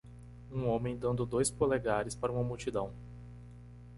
um homem dando dois polegares para uma multidão.